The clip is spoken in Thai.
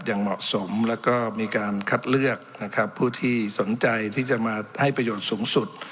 อย่างเหมาะสมแล้วก็มีการคัดเลือกนะครับผู้ที่สนใจที่จะมาให้ประโยชน์สูงสุด